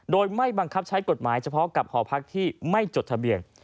โดยไม่บังคับใช้กฎหมายเฉพาะกับหอพักที่ไม่จดทะเบียน